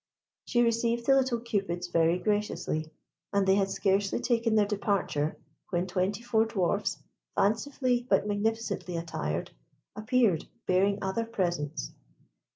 She received the little Cupids very graciously, and they had scarcely taken their departure, when twenty four dwarfs, fancifully, but magnificently attired, appeared, bearing other presents.